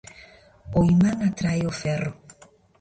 O imán atrae o ferro.